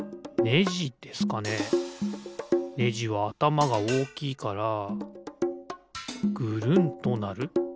ねじはあたまがおおきいからぐるんとなる。